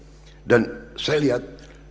sudah dan saya lihat